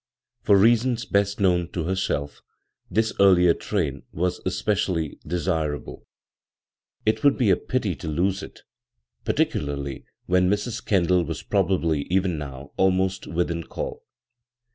For reasons best known to herself this earlier train was specially de simble. It would be a pity to lose it, par bvGoog[c CROSS CURRENTS ticularly when Mrs. Kendall was probably even now almost within call.